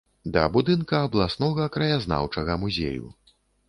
Да будынка абласнога краязнаўчага музею.